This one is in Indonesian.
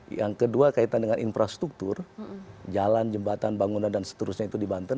yang kedua kaitan dengan infrastruktur jalan jembatan bangunan dan seterusnya itu di banten